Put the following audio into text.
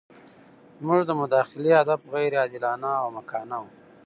زموږ د مداخلې هدف غیر عادلانه او احمقانه وو.